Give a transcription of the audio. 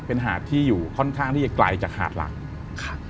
เป็นหาดที่อยู่ค่อนข้างที่จะไกลจากหาดหลักครับ